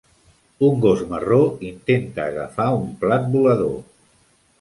Un gos marró intenta agafar un plat volador.